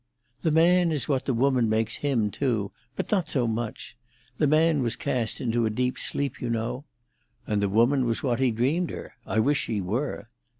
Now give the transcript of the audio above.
"The man is what the woman makes him, too, but not so much so. The man was cast into a deep sleep, you know——" "And the woman was what he dreamed her. I wish she were."